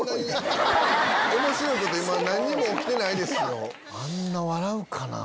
おもしろいこと今何も起きてないですよ。